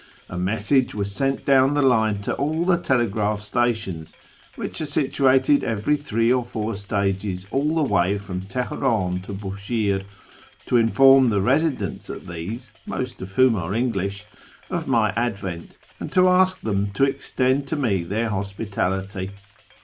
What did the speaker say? A message was sent down the line to all the telegraph stations (which are situated every three or four stages all the way from Teher; in to Bushire) to inform the residents at these (most of whom are English) of my advent, and to ask them to extend to me their hospitality.